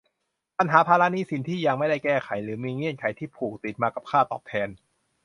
ปัญหาภาระหนี้สินที่ยังไม่ได้แก้ไขหรือมีเงื่อนไขที่ผูกติดมากับค่าตอบแทน